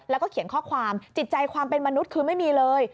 แล้วก็เขียนข้อความจิตใจความเป็นมนุษย์คือไม่มีเลย